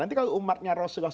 nanti kalau umatnya rasulullah